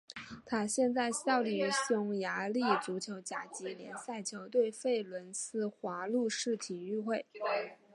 他现在效力于匈牙利足球甲级联赛球队费伦斯华路士体育会。